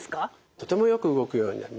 とてもよく動くようになります。